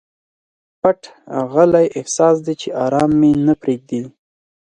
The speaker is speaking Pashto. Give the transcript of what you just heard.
پټ غلی احساس دی چې ارام مي نه پریږدي.